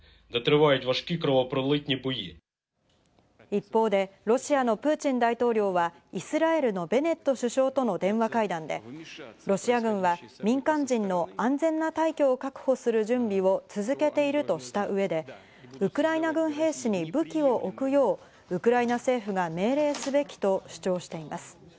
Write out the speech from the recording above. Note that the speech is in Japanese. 一方でロシアのプーチン大統領はイスラエルのベネット首相との電話会談で、ロシア軍は民間人の安全な退去を確保する準備を続けているとした上でウクライナ軍兵士に武器を置くようウクライナ政府が命令すべきと主張しています。